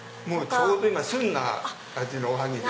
ちょうど旬な味のおはぎです。